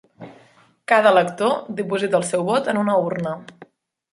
Cada elector diposita el seu vot en una urna